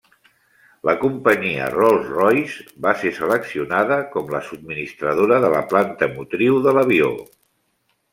La companyia Rolls-Royce va ser seleccionada com la subministradora de la planta motriu de l'avió.